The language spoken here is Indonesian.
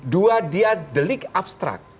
dua dia delik abstrak